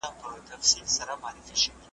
د ړندو لېونو ښار دی د هرچا په وینو سور دی `